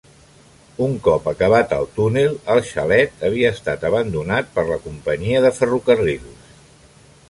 Un cop acabat el túnel el xalet havia estat abandonat per la companyia de ferrocarrils.